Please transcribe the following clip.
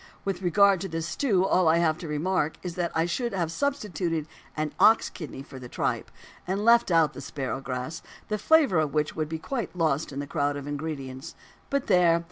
With regard to this stew all that I have to remark is that I should have substituted an ox kidney for the tripe, and left out the "sparrowgrass," the flavour of which would be quite lost in the crowd of ingredients. But there!